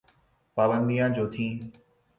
پابندیاں جو تھیں۔